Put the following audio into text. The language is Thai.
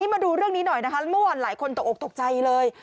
มาดูเรื่องนี้หน่อยนะคะแล้วเมื่อวานหลายคนตกออกตกใจเลย